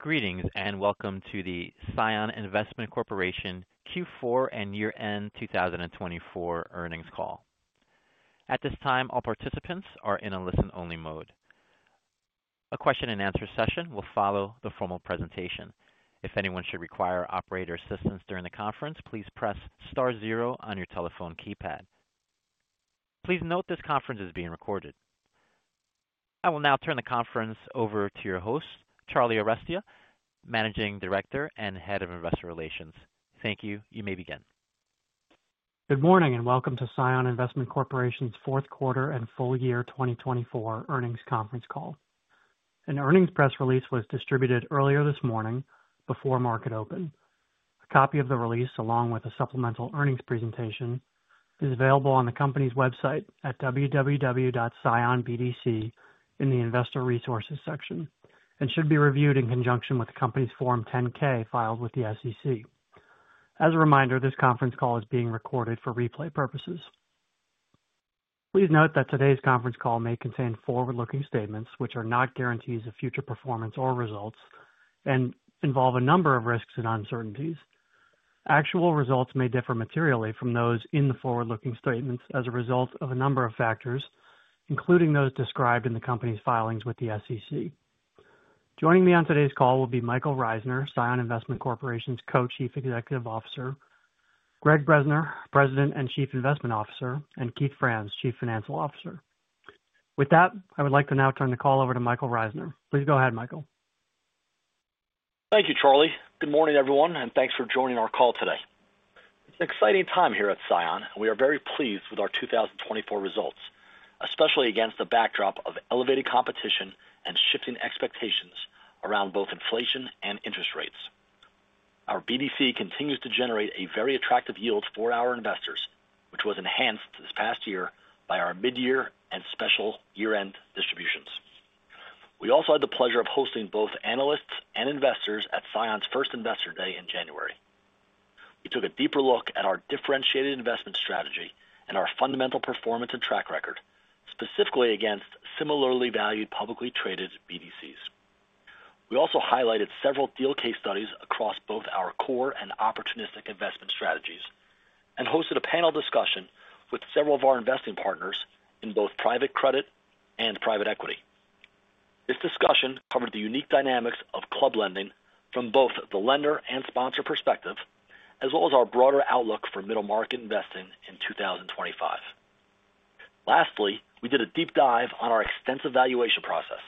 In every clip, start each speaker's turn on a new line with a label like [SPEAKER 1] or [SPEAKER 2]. [SPEAKER 1] Greetings and welcome to the CION Investment Corporation Q4 and Year-End 2024 Earnings Call. At this time, all participants are in a listen-only mode. A question-and-answer session will follow the formal presentation. If anyone should require operator assistance during the conference, please press star zero on your telephone keypad. Please note this conference is being recorded. I will now turn the conference over to your host, Charlie Arestia, Managing Director and Head of Investor Relations. Thank you. You may begin.
[SPEAKER 2] Good morning and welcome to CION Investment Corporation's fourth quarter and full year 2024 Earnings Conference call. An earnings press release was distributed earlier this morning before market open. A copy of the release, along with a supplemental earnings presentation, is available on the company's website at www.cionbdc.com in the Investor Resources section and should be reviewed in conjunction with the company's Form 10-K filed with the SEC. As a reminder, this conference call is being recorded for replay purposes. Please note that today's conference call may contain forward-looking statements, which are not guarantees of future performance or results and involve a number of risks and uncertainties. Actual results may differ materially from those in the forward-looking statements as a result of a number of factors, including those described in the company's filings with the SEC. Joining me on today's call will be Michael Reisner, CION Investment Corporation's Co-Chief Executive Officer, Gregg Bresner, President and Chief Investment Officer, and Keith Franz, Chief Financial Officer. With that, I would like to now turn the call over to Michael Reisner. Please go ahead, Michael.
[SPEAKER 3] Thank you, Charlie. Good morning, everyone, and thanks for joining our call today. It's an exciting time here at CION, and we are verypleased with our 2024 results, especially against the backdrop of elevated competition and shifting expectations around both inflation and interest rates. Our BDC continues to generate a very attractive yield for our investors, which was enhanced this past year by our mid-year and special year-end distributions. We also had the pleasure of hosting both analysts and investors at CION's first Investor Day in January. We took a deeper look at our differentiated investment strategy and our fundamental performance and track record, specifically against similarly valued publicly traded BDCs. We also highlighted several deal case studies across both our core and opportunistic investment strategies and hosted a panel discussion with several of our investing partners in both private credit and private equity. This discussion covered the unique dynamics of club lending from both the lender and sponsor perspective, as well as our broader outlook for middle market investing in 2025. Lastly, we did a deep dive on our extensive valuation process,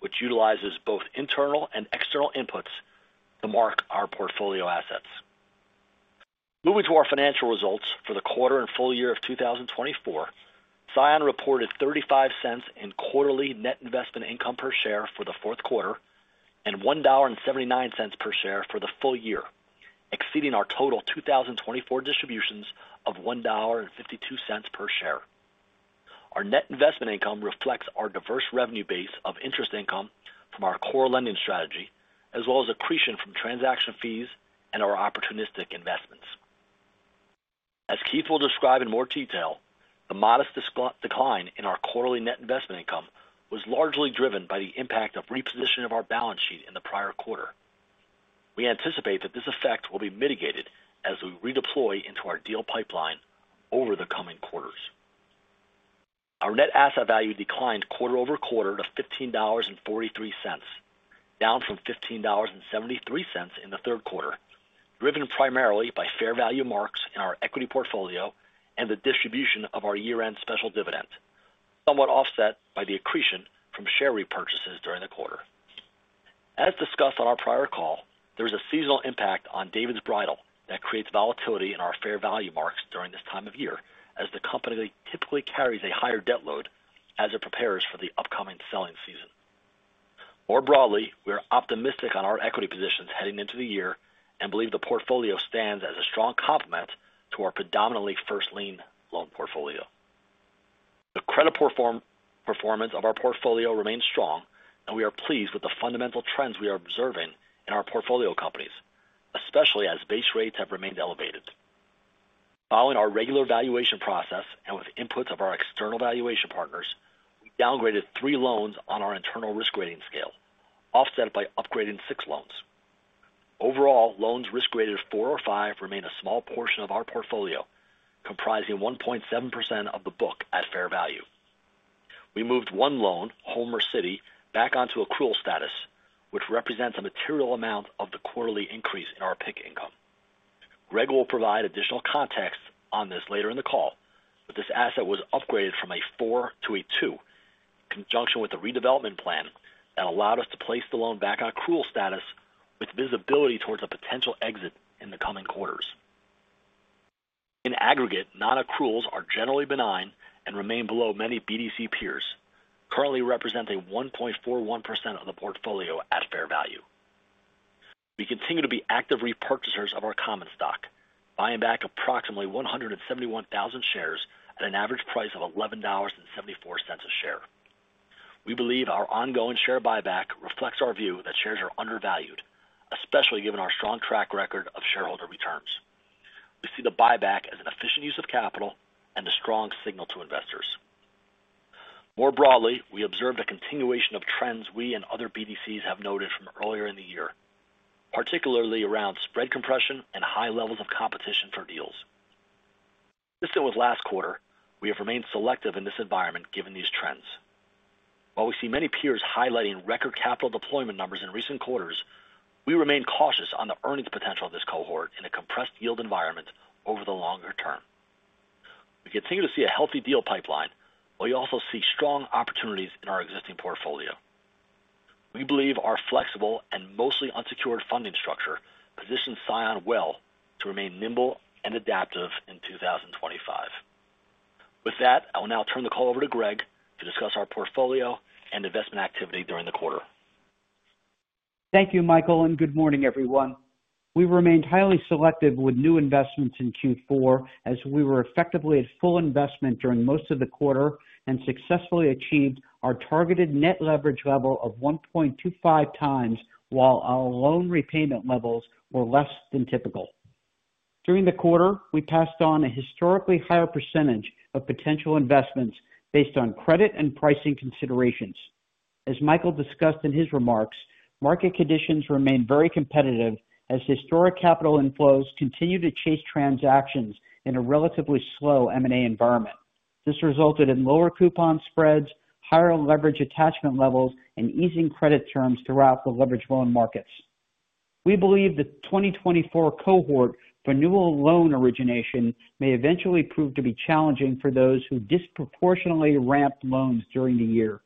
[SPEAKER 3] which utilizes both internal and external inputs to mark our portfolio assets. Moving to our financial results for the quarter and full year of 2024, CION reported $0.35 in quarterly net investment income per share for the fourth quarter and $1.79 per share for the full year, exceeding our total 2024 distributions of $1.52 per share. Our net investment income reflects our diverse revenue base of interest income from our core lending strategy, as well as accretion from transaction fees and our opportunistic investments. As Keith will describe in more detail, the modest decline in our quarterly net investment income was largely driven by the impact of repositioning of our balance sheet in the prior quarter. We anticipate that this effect will be mitigated as we redeploy into our deal pipeline over the coming quarters. Our net asset value declined quarter over quarter to $15.43, down from $15.73 in the third quarter, driven primarily by fair value marks in our equity portfolio and the distribution of our year-end special dividend, somewhat offset by the accretion from share repurchases during the quarter. As discussed on our prior call, there is a seasonal impact on David's Bridal that creates volatility in our fair value marks during this time of year, as the company typically carries a higher debt load as it prepares for the upcoming selling season. More broadly, we are optimistic on our equity positions heading into the year and believe the portfolio stands as a strong complement to our predominantly first-lien loan portfolio. The credit performance of our portfolio remains strong, and we are pleased with the fundamental trends we are observing in our portfolio companies, especially as base rates have remained elevated. Following our regular valuation process and with inputs of our external valuation partners, we downgraded three loans on our internal risk-rating scale, offset by upgrading six loans. Overall, loans risk-rated four or five remain a small portion of our portfolio, comprising 1.7% of the book at fair value. We moved one loan, Homer City, back onto accrual status, which represents a material amount of the quarterly increase in our PIK income. Gregg will provide additional context on this later in the call, but this asset was upgraded from a four to a two in conjunction with a redevelopment plan that allowed us to place the loan back on accrual status with visibility towards a potential exit in the coming quarters. In aggregate, non-accruals are generally benign and remain below many BDC peers, currently representing 1.41% of the portfolio at fair value. We continue to be active repurchasers of our common stock, buying back approximately 171,000 shares at an average price of $11.74 a share. We believe our ongoing share buyback reflects our view that shares are undervalued, especially given our strong track record of shareholder returns. We see the buyback as an efficient use of capital and a strong signal to investors. More broadly, we observe the continuation of trends we and other BDCs have noted from earlier in the year, particularly around spread compression and high levels of competition for deals. Consistent with last quarter, we have remained selective in this environment given these trends. While we see many peers highlighting record capital deployment numbers in recent quarters, we remain cautious on the earnings potential of this cohort in a compressed yield environment over the longer term. We continue to see a healthy deal pipeline, but we also see strong opportunities in our existing portfolio. We believe our flexible and mostly unsecured funding structure positions CION well to remain nimble and adaptive in 2025. With that, I will now turn the call over to Gregg to discuss our portfolio and investment activity during the quarter.
[SPEAKER 4] Thank you, Michael, and good morning, everyone. We remained highly selective with new investments in Q4, as we were effectively at full investment during most of the quarter and successfully achieved our targeted net leverage level of 1.25x, while our loan repayment levels were less than typical. During the quarter, we passed on a historically higher percentage of potential investments based on credit and pricing considerations. As Michael discussed in his remarks, market conditions remain very competitive as historic capital inflows continue to chase transactions in a relatively slow M&A environment. This resulted in lower coupon spreads, higher leverage attachment levels, and easing credit terms throughout the leveraged loan markets. We believe the 2024 cohort for new loan origination may eventually prove to be challenging for those who disproportionately ramp loans during the year.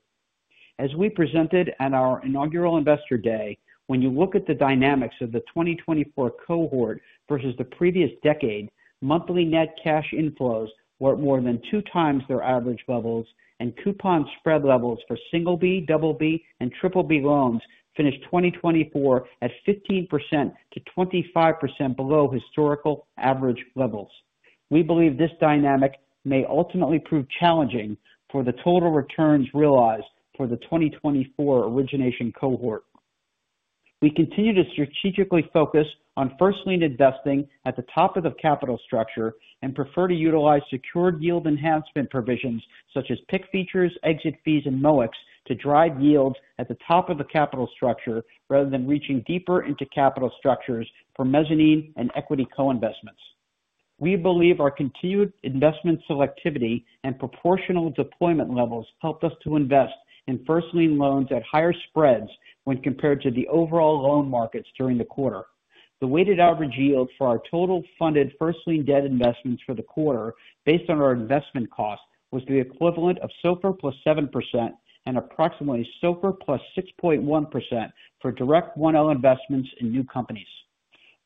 [SPEAKER 4] As we presented at our inaugural Investor Day, when you look at the dynamics of the 2024 cohort versus the previous decade, monthly net cash inflows were at more than two times their average levels, and coupon spread levels for single-B, double-B, and triple-B loans finished 2024 at 15%-25% below historical average levels. We believe this dynamic may ultimately prove challenging for the total returns realized for the 2024 origination cohort. We continue to strategically focus on first-lien investing at the top of the capital structure and prefer to utilize secured yield enhancement provisions such as PIC features, exit fees, and MOICs to drive yields at the top of the capital structure rather than reaching deeper into capital structures for mezzanine and equity co-investments. We believe our continued investment selectivity and proportional deployment levels helped us to invest in first-lien loans at higher spreads when compared to the overall loan markets during the quarter. The weighted average yield for our total funded first-lien debt investments for the quarter based on our investment cost was the equivalent of SOFR plus 7% and approximately SOFR plus 6.1% for direct 1L investments in new companies.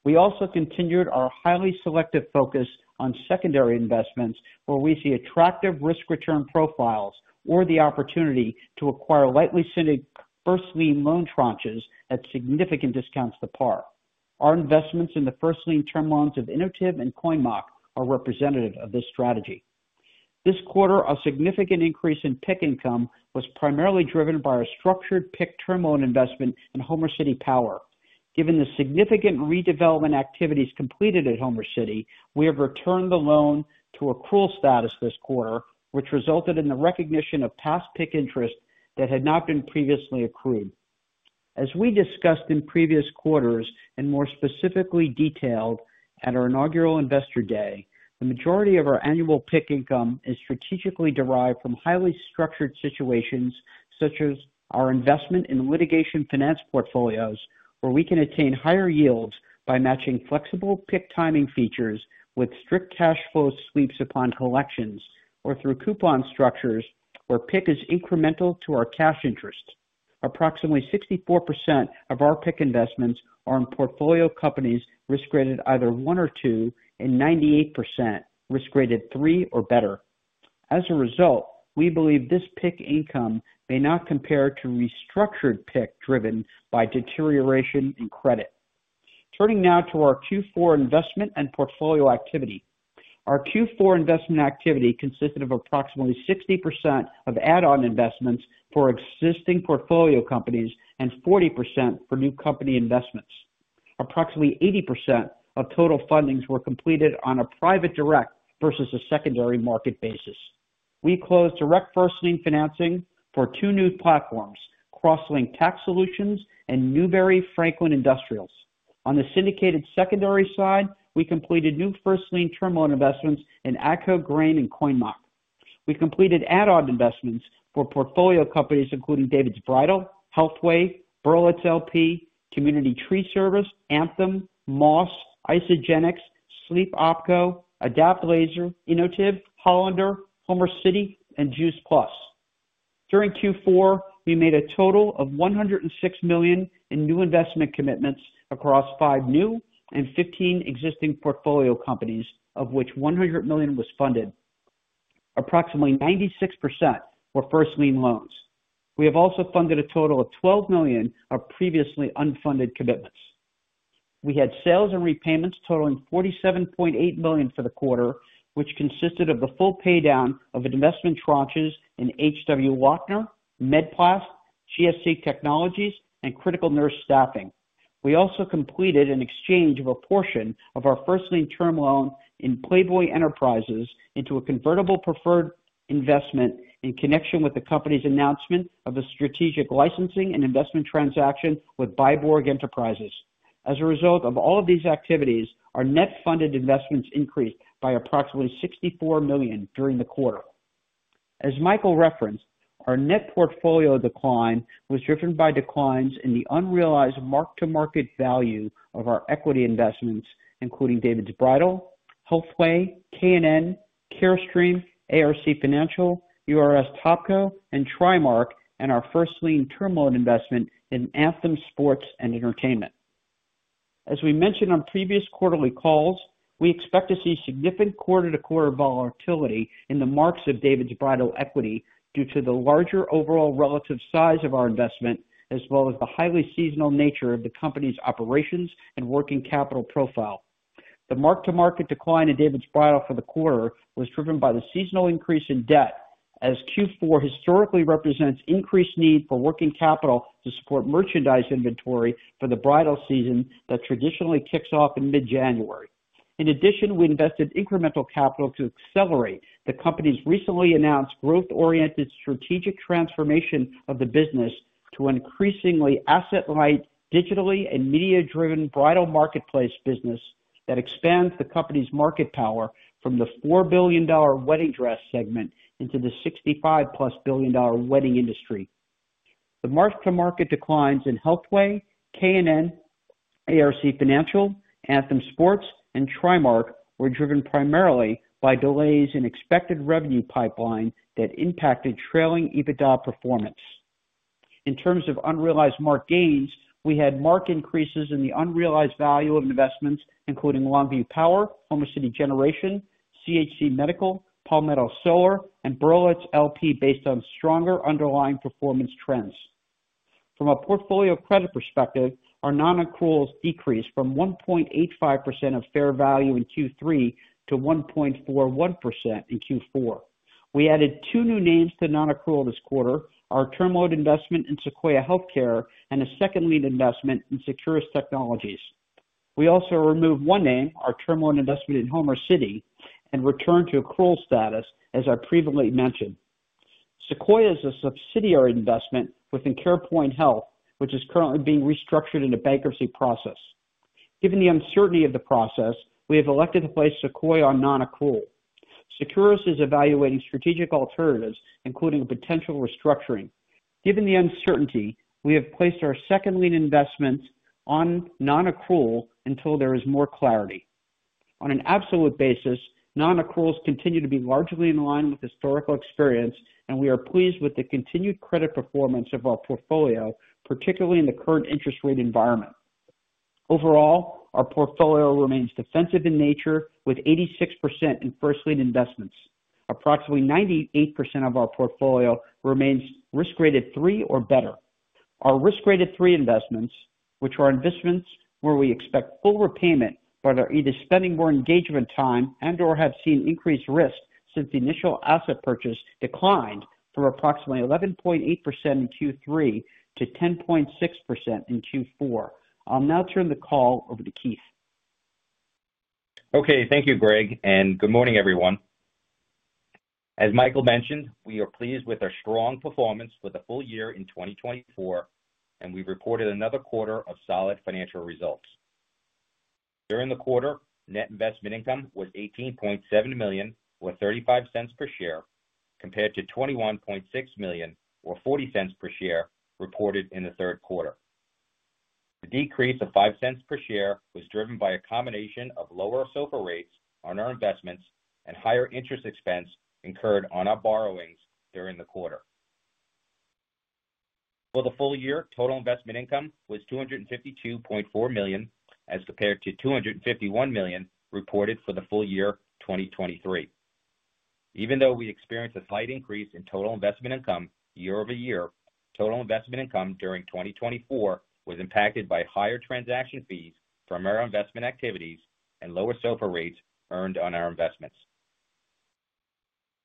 [SPEAKER 4] We also continued our highly selective focus on secondary investments, where we see attractive risk-return profiles or the opportunity to acquire lightly syndicated first-lien loan tranches at significant discounts to par. Our investments in the first-lien term loans of Innovative and Coinmach are representative of this strategy. This quarter, a significant increase in PIC income was primarily driven by our structured PIC term loan investment in Homer City Power.Given the significant redevelopment activities completed at Homer City, we have returned the loan to accrual status this quarter, which resulted in the recognition of past PIC interest that had not been previously accrued. As we discussed in previous quarters and more specifically detailed at our inaugural Investor Day, the majority of our annual PIC income is strategically derived from highly structured situations such as our investment in litigation finance portfolios, where we can attain higher yields by matching flexible PIC timing features with strict cash flow sweeps upon collections or through coupon structures where PIC is incremental to our cash interest. Approximately 64% of our PIC investments are in portfolio companies risk-rated either one or two and 98% risk-rated three or better. As a result, we believe this PIC income may not compare to restructured PIC driven by deterioration in credit. Turning now to our Q4 investment and portfolio activity. Our Q4 investment activity consisted of approximately 60% of add-on investments for existing portfolio companies and 40% for new company investments. Approximately 80% of total fundings were completed on a private direct versus a secondary market basis. We closed direct first-lien financing for two new platforms, CrossLink Tax Solutions and Newbury Franklin Industrials. On the syndicated secondary side, we completed new first-lien term loan investments in ACCO, Grane, and Coinmach. We completed add-on investments for portfolio companies including David's Bridal, HealthWay, Berlitz LP, Community Tree Service, Anthem Sports and Entertainment, Moss, Isagenix, Sleep OpCo, Adapt Laser, Innovative, Hollander, Homer City Power, and Juice Plus. During Q4, we made a total of $106 million in new investment commitments across five new and 15 existing portfolio companies, of which $100 million was funded. Approximately 96% were first-lien loans. We have also funded a total of $12 million of previously unfunded commitments. We had sales and repayments totaling $47.8 million for the quarter, which consisted of the full paydown of investment tranches in H.W. Lochner, MedPlast, GSC Technologies, and Critical Nurse Staffing. We also completed an exchange of a portion of our first-lien term loan in Playboy Enterprises into a convertible preferred investment in connection with the company's announcement of a strategic licensing and investment transaction with Byborg Enterprises. As a result of all of these activities, our net funded investments increased by approximately $64 million during the quarter. As Michael referenced, our net portfolio decline was driven by declines in the unrealized mark-to-market value of our equity investments, including David's Bridal, HealthWay, K&N, Carestream, ARC Financial, URS Topco, and TriMark, and our first-lien term loan investment in Anthem Sports and Entertainment. As we mentioned on previous quarterly calls, we expect to see significant quarter-to-quarter volatility in the marks of David's Bridal equity due to the larger overall relative size of our investment, as well as the highly seasonal nature of the company's operations and working capital profile. The mark-to-market decline in David's Bridal for the quarter was driven by the seasonal increase in debt, as Q4 historically represents increased need for working capital to support merchandise inventory for the bridal season that traditionally kicks off in mid-January. In addition, we invested incremental capital to accelerate the company's recently announced growth-oriented strategic transformation of the business to an increasingly asset-light, digitally and media-driven bridal marketplace business that expands the company's market power from the $4 billion wedding dress segment into the $65 billion-plus wedding industry. The mark-to-market declines in HealthWay, K&N, ARC Financial, Anthem Sports and Entertainment, and TriMark were driven primarily by delays in expected revenue pipeline that impacted trailing EBITDA performance. In terms of unrealized marked gains, we had marked increases in the unrealized value of investments, including Longview Power, Homer City Power, CHC Medical, Palmetto Solar, and Berlitz LP based on stronger underlying performance trends. From a portfolio credit perspective, our non-accruals decreased from 1.85% of fair value in Q3 to 1.41% in Q4. We added two new names to non-accrual this quarter: our term loan investment in Sequoia Healthcare and a second-lien investment in Securus Technologies. We also removed one name, our term loan investment in Homer City Power, and returned to accrual status, as I previously mentioned. Sequoia is a subsidiary investment within CarePoint Health, which is currently being restructured in a bankruptcy process. Given the uncertainty of the process, we have elected to place Sequoia on non-accrual. Securus is evaluating strategic alternatives, including potential restructuring. Given the uncertainty, we have placed our second-lien investments on non-accrual until there is more clarity. On an absolute basis, non-accruals continue to be largely in line with historical experience, and we are pleased with the continued credit performance of our portfolio, particularly in the current interest rate environment. Overall, our portfolio remains defensive in nature, with 86% in first-lien investments. Approximately 98% of our portfolio remains risk-rated three or better. Our risk-rated three investments, which are investments where we expect full repayment but are either spending more engagement time and/or have seen increased risk since the initial asset purchase, declined from approximately 11.8% in Q3 to 10.6% in Q4. I'll now turn the call over to Keith.
[SPEAKER 5] Okay. Thank you, Gregg, and good morning, everyone. As Michael mentioned, we are pleased with our strong performance for the full year in 2024, and we reported another quarter of solid financial results. During the quarter, net investment income was $18.7 million or $0.35 per share, compared to $21.6 million or $0.40 per share reported in the third quarter. The decrease of $0.05 per share was driven by a combination of lower SOFR rates on our investments and higher interest expense incurred on our borrowings during the quarter. For the full year, total investment income was $252.4 million as compared to $251 million reported for the full year 2023. Even though we experienced a slight increase in total investment income year over year, total investment income during 2024 was impacted by higher transaction fees from our investment activities and lower SOFR rates earned on our investments.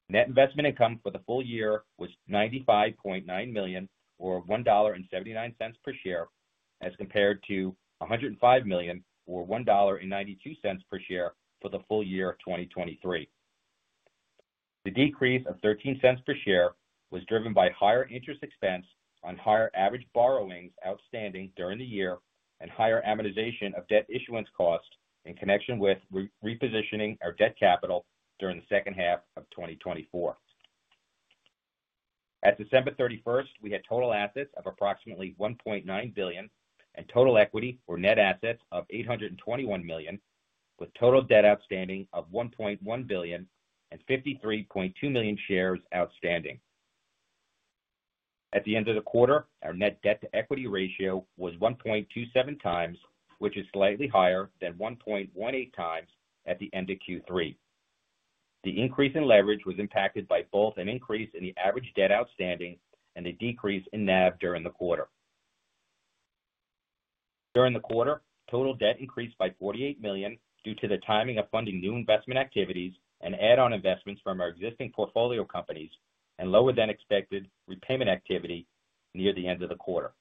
[SPEAKER 5] Net investment income for the full year was $95.9 million or $1.79 per share as compared to $105 million or $1.92 per share for the full year 2023. The decrease of $0.13 per share was driven by higher interest expense on higher average borrowings outstanding during the year and higher amortization of debt issuance costs in connection with repositioning our debt capital during the second half of 2024. At December 31st, we had total assets of approximately $1.9 billion and total equity or net assets of $821 million, with total debt outstanding of $1.1 billion and 53.2 million shares outstanding. At the end of the quarter, our net debt-to-equity ratio was 1.27 times, which is slightly higher than 1.18 times at the end of Q3. The increase in leverage was impacted by both an increase in the average debt outstanding and a decrease in NAV during the quarter. During the quarter, total debt increased by $48 million due to the timing of funding new investment activities and add-on investments from our existing portfolio companies and lower than expected repayment activity near the end of the quarter.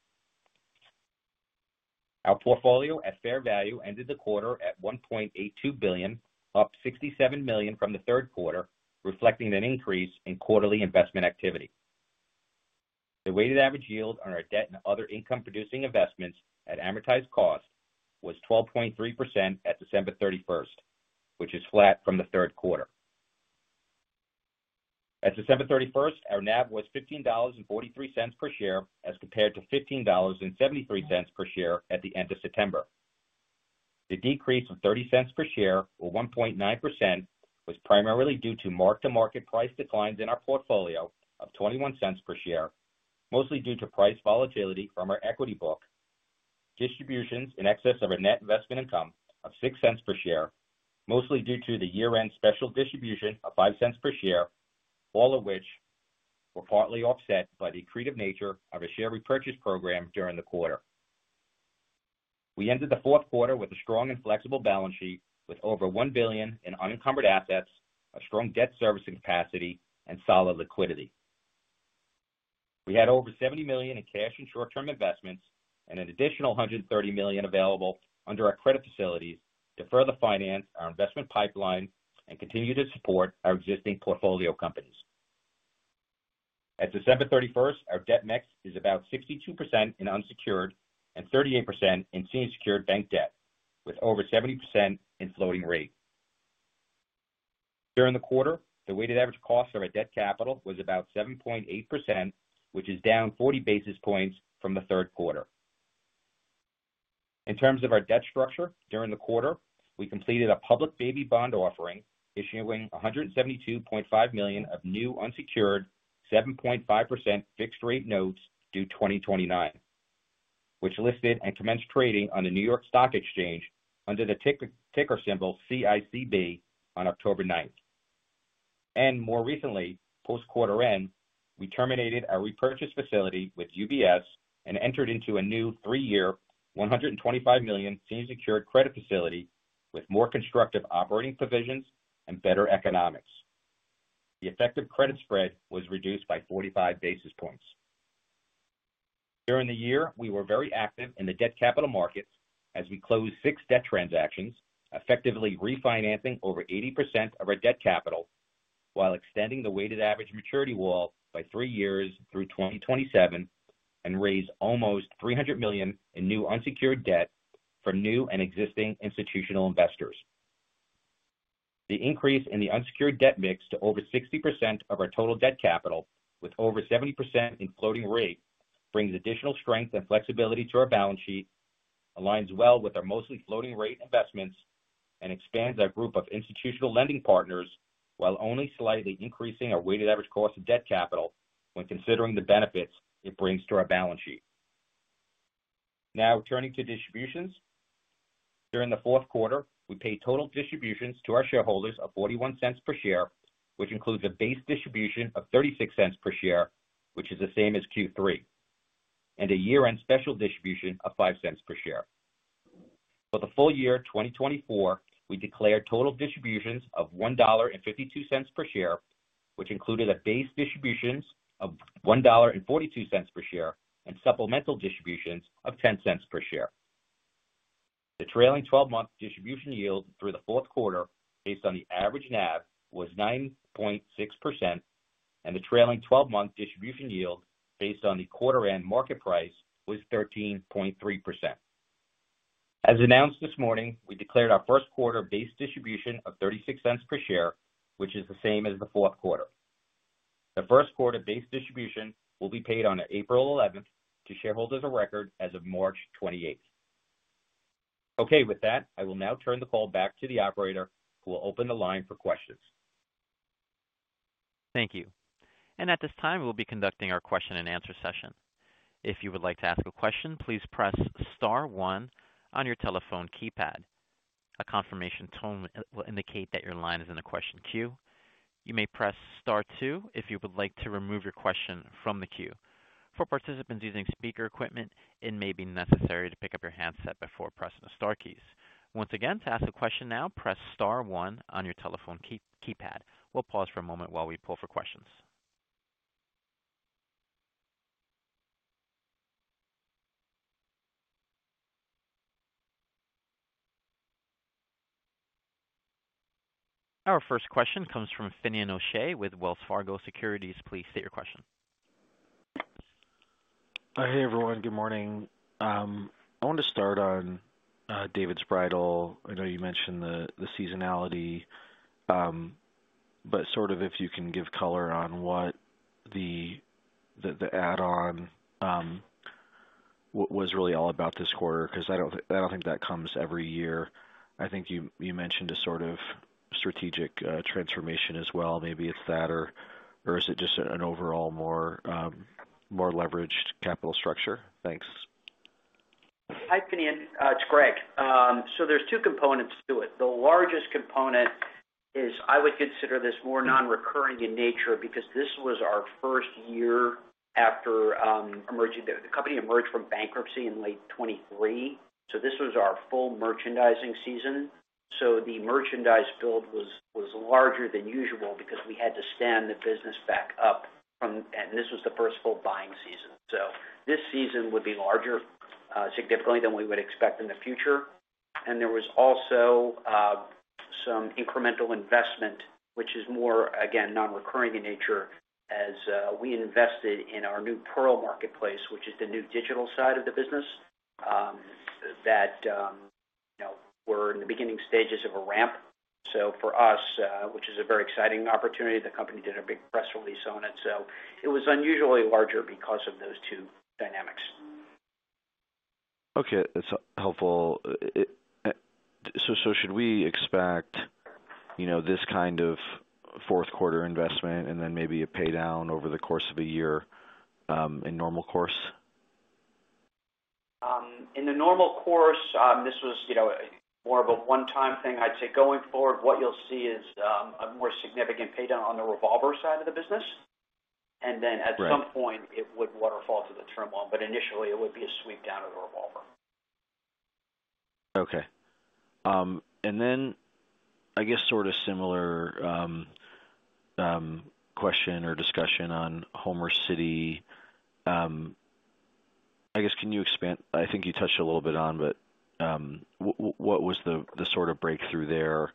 [SPEAKER 5] Our portfolio at fair value ended the quarter at $1.82 billion, up $67 million from the third quarter, reflecting an increase in quarterly investment activity. The weighted average yield on our debt and other income-producing investments at amortized cost was 12.3% at December 31, which is flat from the third quarter. At December 31, our NAV was $15.43 per share as compared to $15.73 per share at the end of September. The decrease of $0.30 per share or 1.9% was primarily due to mark-to-market price declines in our portfolio of $0.21 per share, mostly due to price volatility from our equity book, distributions in excess of our net investment income of $0.06 per share, mostly due to the year-end special distribution of $0.05 per share, all of which were partly offset by the creative nature of our share repurchase program during the quarter. We ended the fourth quarter with a strong and flexible balance sheet with over $1 billion in unencumbered assets, a strong debt servicing capacity, and solid liquidity. We had over $70 million in cash and short-term investments and an additional $130 million available under our credit facilities to further finance our investment pipeline and continue to support our existing portfolio companies. At December 31st, our debt mix is about 62% in unsecured and 38% in senior secured bank debt, with over 70% in floating rate. During the quarter, the weighted average cost of our debt capital was about 7.8%, which is down 40 basis points from the third quarter. In terms of our debt structure during the quarter, we completed a public baby bond offering issuing $172.5 million of new unsecured 7.5% fixed-rate notes due 2029, which listed and commenced trading on the New York Stock Exchange under the ticker symbol CICB on October 9th. More recently, post-quarter end, we terminated our repurchase facility with UBS and entered into a new three-year $125 million senior secured credit facility with more constructive operating provisions and better economics. The effective credit spread was reduced by 45 basis points. During the year, we were very active in the debt capital markets as we closed six debt transactions, effectively refinancing over 80% of our debt capital while extending the weighted average maturity wall by three years through 2027 and raised almost $300 million in new unsecured debt from new and existing institutional investors. The increase in the unsecured debt mix to over 60% of our total debt capital, with over 70% in floating rate, brings additional strength and flexibility to our balance sheet, aligns well with our mostly floating rate investments, and expands our group of institutional lending partners while only slightly increasing our weighted average cost of debt capital when considering the benefits it brings to our balance sheet. Now, turning to distributions, during the fourth quarter, we paid total distributions to our shareholders of $0.41 per share, which includes a base distribution of $0.36 per share, which is the same as Q3, and a year-end special distribution of $0.05 per share. For the full year 2024, we declared total distributions of $1.52 per share, which included a base distribution of $1.42 per share and supplemental distributions of $0.10 per share. The trailing 12-month distribution yield through the fourth quarter based on the average NAV was 9.6%, and the trailing 12-month distribution yield based on the quarter-end market price was 13.3%. As announced this morning, we declared our first quarter base distribution of $0.36 per share, which is the same as the fourth quarter. The first quarter base distribution will be paid on April 11th to shareholders of record as of March 28th.Okay, with that, I will now turn the call back to the operator who will open the line for questions.
[SPEAKER 1] Thank you. At this time, we'll be conducting our question-and-answer session. If you would like to ask a question, please press Star 1 on your telephone keypad. A confirmation tone will indicate that your line is in the question queue. You may press Star 2 if you would like to remove your question from the queue. For participants using speaker equipment, it may be necessary to pick up your handset before pressing the Star keys. Once again, to ask a question now, press Star 1 on your telephone keypad. We'll pause for a moment while we pull for questions. Our first question comes from Finny O'Shea with Wells Fargo Securities. Please state your question.
[SPEAKER 6] Hi, everyone. Good morning. I want to start on David's Bridal. I know you mentioned the seasonality, but sort of if you can give color on what the add-on was really all about this quarter, because I do not think that comes every year. I think you mentioned a sort of strategic transformation as well. Maybe it is that, or is it just an overall more leveraged capital structure? Thanks.
[SPEAKER 4] Hi, Finny. It's Gregg. There are two components to it. The largest component is I would consider this more non-recurring in nature because this was our first year after the company emerged from bankruptcy in late 2023. This was our full merchandising season. The merchandise build was larger than usual because we had to stand the business back up, and this was the first full buying season. This season would be significantly larger than we would expect in the future. There was also some incremental investment, which is more, again, non-recurring in nature as we invested in our new Pearl Marketplace, which is the new digital side of the business that we're in the beginning stages of a ramp. For us, which is a very exciting opportunity, the company did a big press release on it.It was unusually larger because of those two dynamics.
[SPEAKER 6] Okay. That's helpful. Should we expect this kind of fourth quarter investment and then maybe a paydown over the course of a year in normal course?
[SPEAKER 4] In the normal course, this was more of a one-time thing. I'd say going forward, what you'll see is a more significant paydown on the revolver side of the business. At some point, it would waterfall to the term loan, but initially, it would be a sweep down of the revolver.
[SPEAKER 6] Okay. I guess, sort of similar question or discussion on Homer City. I guess, can you expand? I think you touched a little bit on, but what was the sort of breakthrough there?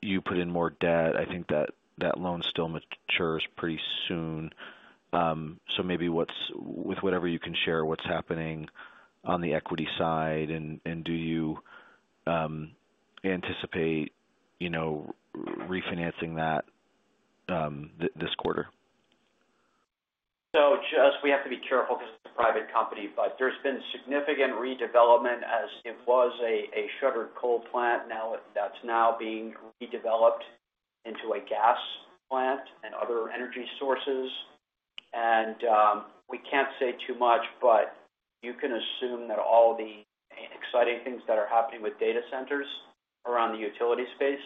[SPEAKER 6] You put in more debt. I think that loan still matures pretty soon. Maybe with whatever you can share, what's happening on the equity side, and do you anticipate refinancing that this quarter?
[SPEAKER 4] We have to be careful because it's a private company, but there's been significant redevelopment as it was a shuttered coal plant. That's now being redeveloped into a gas plant and other energy sources. We can't say too much, but you can assume that all the exciting things that are happening with data centers around the utility space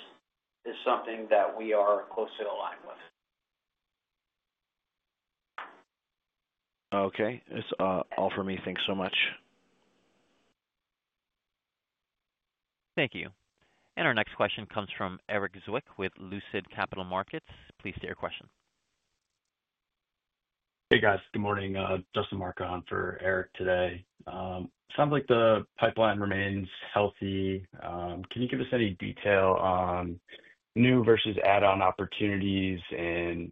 [SPEAKER 4] is something that we are closely aligned with.
[SPEAKER 6] Okay. That's all for me. Thanks so much.
[SPEAKER 1] Thank you. Our next question comes from Eric Zwick with Lucid Capital Markets. Please state your question.
[SPEAKER 7] Hey, guys. Good morning. Justin Marca for Eric today. Sounds like the pipeline remains healthy. Can you give us any detail on new versus add-on opportunities, and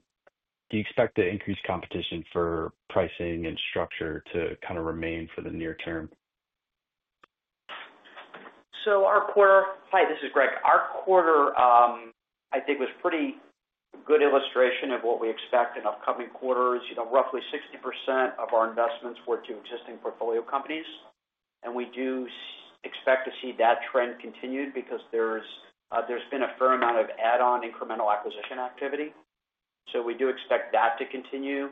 [SPEAKER 7] do you expect the increased competition for pricing and structure to kind of remain for the near term?
[SPEAKER 4] Our quarter, I think, was a pretty good illustration of what we expect in upcoming quarters. Roughly 60% of our investments were to existing portfolio companies. We do expect to see that trend continued because there's been a fair amount of add-on incremental acquisition activity. We do expect that to continue.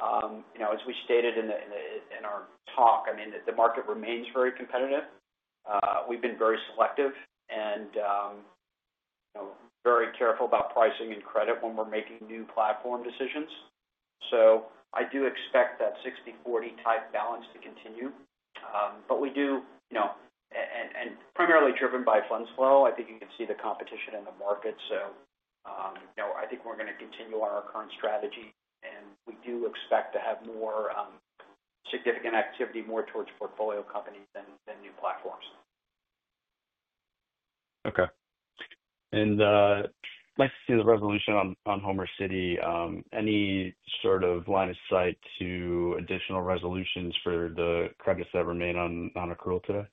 [SPEAKER 4] As we stated in our talk, I mean, the market remains very competitive. We've been very selective and very careful about pricing and credit when we're making new platform decisions. I do expect that 60%/40% type balance to continue. We do—and primarily driven by funds flow. I think you can see the competition in the market. I think we're going to continue on our current strategy. We do expect to have more significant activity, more towards portfolio companies than new platforms.
[SPEAKER 7] Okay. I’d like to see the resolution on Homer City. Any sort of line of sight to additional resolutions for the credits that remain on non-accrual today?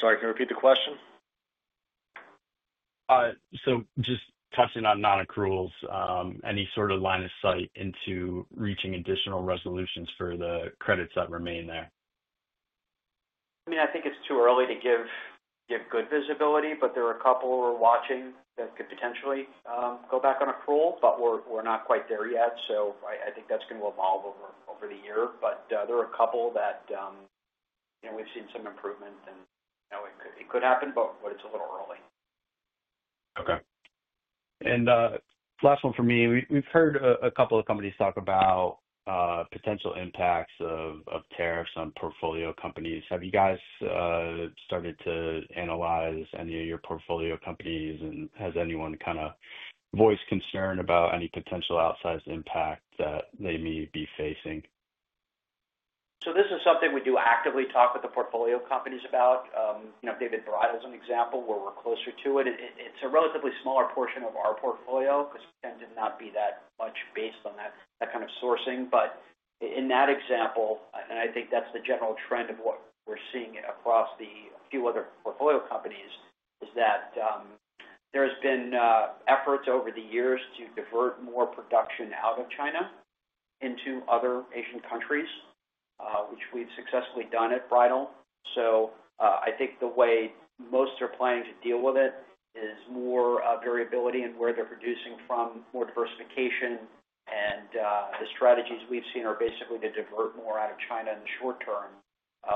[SPEAKER 4] Sorry, can you repeat the question?
[SPEAKER 7] Just touching on non-accruals, any sort of line of sight into reaching additional resolutions for the credits that remain there?
[SPEAKER 4] I mean, I think it's too early to give good visibility, but there are a couple we're watching that could potentially go back on accrual, but we're not quite there yet. I think that's going to evolve over the year. There are a couple that we've seen some improvement, and it could happen, but it's a little early.
[SPEAKER 7] Okay. Last one for me. We've heard a couple of companies talk about potential impacts of tariffs on portfolio companies. Have you guys started to analyze any of your portfolio companies, and has anyone kind of voiced concern about any potential outsized impact that they may be facing?
[SPEAKER 4] This is something we do actively talk with the portfolio companies about. David's Bridal is an example where we're closer to it. It's a relatively smaller portion of our portfolio because it tends to not be that much based on that kind of sourcing. In that example, and I think that's the general trend of what we're seeing across a few other portfolio companies, there have been efforts over the years to divert more production out of China into other Asian countries, which we've successfully done at Bridal. I think the way most are planning to deal with it is more variability in where they're producing from, more diversification. The strategies we've seen are basically to divert more out of China in the short term,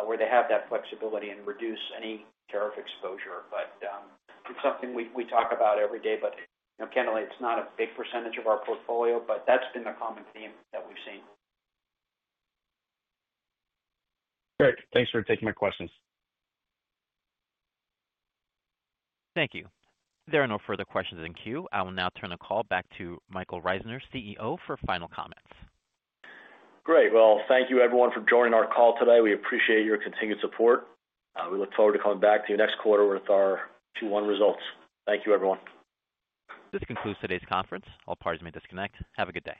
[SPEAKER 4] where they have that flexibility and reduce any tariff exposure.It is something we talk about every day, but candidly, it is not a big percentage of our portfolio, but that has been the common theme that we have seen.
[SPEAKER 7] Great. Thanks for taking my questions.
[SPEAKER 1] Thank you. There are no further questions in queue. I will now turn the call back to Michael Reisner, CEO, for final comments.
[SPEAKER 3] Great. Thank you, everyone, for joining our call today. We appreciate your continued support. We look forward to coming back to you next quarter with our Q1 results. Thank you, everyone.
[SPEAKER 1] This concludes today's conference. All parties may disconnect. Have a good day.